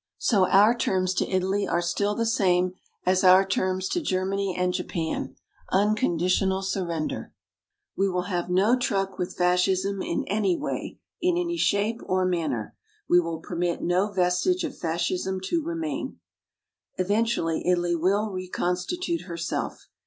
So our terms to Italy are still the same as our terms to Germany and Japan "unconditional surrender." We will have no truck with Fascism in any way, in any shape or manner. We will permit no vestige of Fascism to remain. Eventually Italy will reconstitute herself.